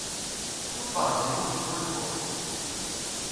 Ssuffeɣ-d ayen i tettḥulfuḍ.